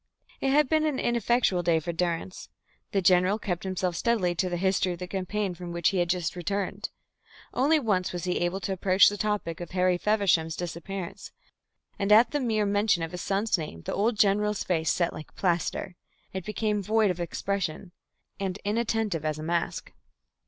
It had been an ineffectual day for Durrance. The general kept him steadily to the history of the campaign from which he had just returned. Only once was he able to approach the topic of Harry Feversham's disappearance, and at the mere mention of his son's name the old general's face set like plaster. It became void of expression and inattentive as a mask.